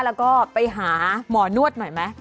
แล้วก็ไปหาหมอนวดหน่อยไหม